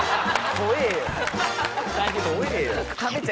怖えぇよ。